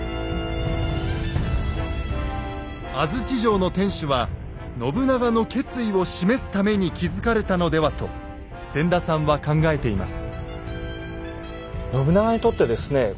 安土城の天主は信長の決意を示すために築かれたのではと千田さんは考えています。